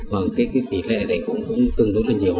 và cái tỷ lệ này cũng tương đối là nhiều